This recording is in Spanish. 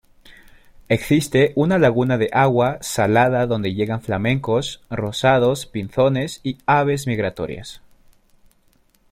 Existe una laguna de agua salada donde llegan flamencos rosados, pinzones y aves migratorias.